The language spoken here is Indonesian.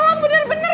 ih galang bener bener